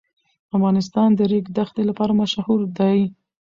افغانستان د ریګ دښتې لپاره مشهور دی.